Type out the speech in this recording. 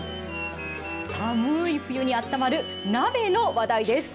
寒ーい冬にあったまる鍋の話題です。